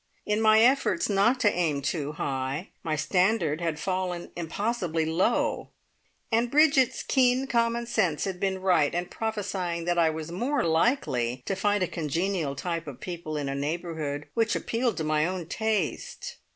In my efforts not to aim too high, my standard had fallen impossibly low, and Bridget's keen common sense had been right in prophesying that I was more likely to find a congenial type of people in a neighbourhood which appealed to my own taste.